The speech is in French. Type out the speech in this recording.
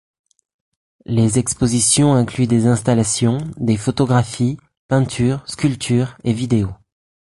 Les expositions incluent des installations, des photographies, peintures, sculptures et vidéos.